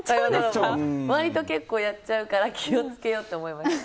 割と結構、やっちゃうから気を付けようと思いました。